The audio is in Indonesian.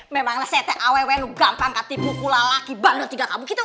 memanglah setek aww lu gampang kak tipu kula laki baki tiga kamu gitu